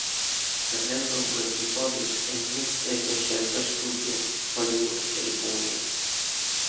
The album was recorded and mixed at the Shelter Studio, Hollywood, California.